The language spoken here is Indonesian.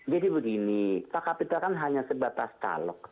jadi begini pak kapitra kan hanya sebatas talok